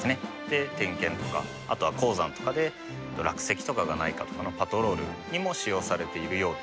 で点検とかあとは鉱山とかで落石とかがないかとかのパトロールにも使用されているようですね。